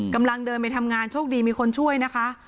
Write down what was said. กำลังเดินไปทำงานโชคดีมีคนช่วยนะคะ